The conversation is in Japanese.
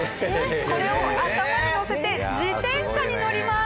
これを頭に載せて自転車に乗ります。